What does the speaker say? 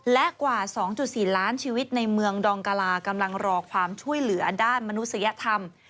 และกว่า๒๔ล้านชีวิตในเมืองดองกลากำลังรอความช่วยเหลือด้านมนุษยธรรม